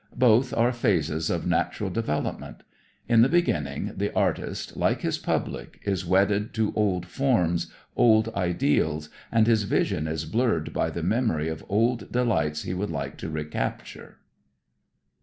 Both are phases of natural development. In the beginning the artist, like his public, is wedded to old forms, old ideals, and his vision is blurred by the memory of old delights he would like to recapture.